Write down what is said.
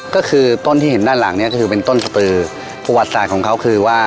ก็คือต้นที่เห็นด้านหลังเนี้ยก็คือเป็นต้นสตือประวัติศาสตร์ของเขาคือว่า